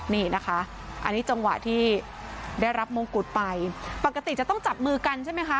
นี่นะคะอันนี้จังหวะที่ได้รับมงกุฎไปปกติจะต้องจับมือกันใช่ไหมคะ